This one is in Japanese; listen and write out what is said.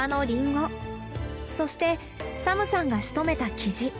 そしてサムさんがしとめたキジ。